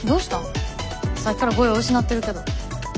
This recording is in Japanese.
さっきから語彙を失ってるけど。